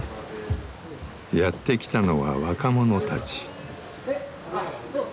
やって来たのは若者たち。